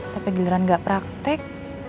tapi giliran ga praktek